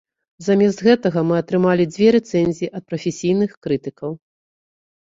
Замест гэтага мы атрымалі дзве рэцэнзіі ад прафесійных крытыкаў.